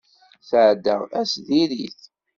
Sɛeddaɣ ass diri-t.